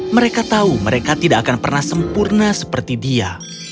mereka tahu mereka tidak akan pernah sempurna seperti dia